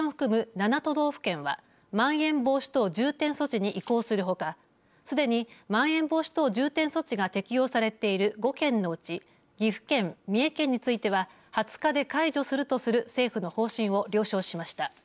７都道府県はまん延防止等重点措置に移行するほかすでに、まん延防止等重点措置が適用されている５県のうち岐阜県、三重県については２０日で解除するとする政府の方針を了承しました。